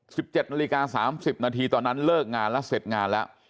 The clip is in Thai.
สิบเจ็ดนาฬิกาสามสิบนาทีตอนนั้นเลิกงานแล้วเสร็จงานแล้ว